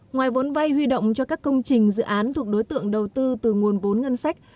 ngoài vốn vay huy động cho các công trình dự án thuộc đối tượng đầu tư từ nguồn vốn ngân sách